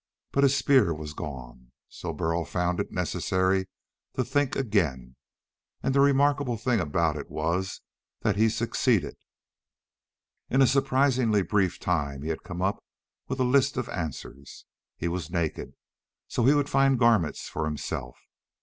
But his spear was gone. So Burl found it necessary to think again. And the remarkable thing about it was that he succeeded. In a surprisingly brief time he had come up with a list of answers. He was naked, so he would find garments for himself.